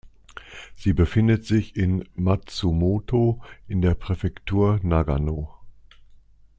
Sie befindet sich in Matsumoto in der Präfektur Nagano.